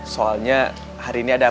soalnya hari ini ada